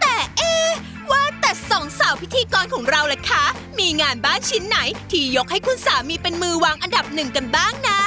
แต่เอ๊ว่าแต่สองสาวพิธีกรของเราล่ะคะมีงานบ้านชิ้นไหนที่ยกให้คุณสามีเป็นมือวางอันดับหนึ่งกันบ้างนะ